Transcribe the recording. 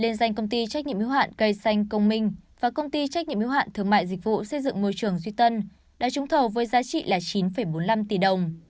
liên danh công ty trách nhiệm hữu hạn cây xanh công minh và công ty trách nhiệm hiếu hạn thương mại dịch vụ xây dựng môi trường duy tân đã trúng thầu với giá trị là chín bốn mươi năm tỷ đồng